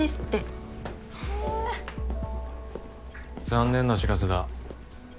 残念な知らせだ。